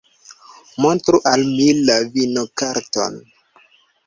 Montru al mi la vinokarton.